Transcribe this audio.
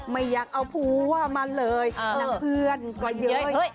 ไม่อยากเอาผัวมาเลยทั้งเพื่อนก็เย้ย